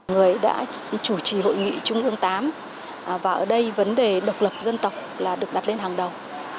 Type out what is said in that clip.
người đã chủ trì hội nghị trung ương viii và ở đây vấn đề độc lập dân tộc là được đặt lên hàng đầu